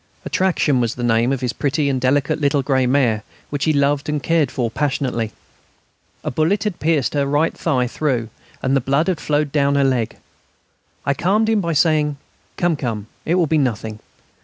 "Attraction" was the name of his pretty and delicate little grey mare, which he loved and cared for passionately. A bullet had pierced her thigh right through, and the blood had flowed down her leg. I calmed him by saying, "Come, come; it will be nothing.